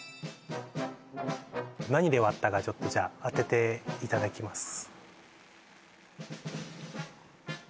何で割ったかちょっとじゃあ当てていただきます